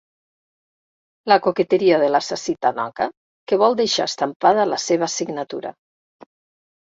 La coqueteria de l'assassí tanoca que vol deixar estampada la seva signatura.